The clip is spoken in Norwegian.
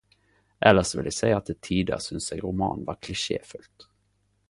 Ellers vil eg sei at til tider syns eg romanen var klisjefylt.